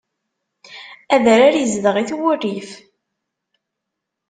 Adrar izdeɣ-it wurrif.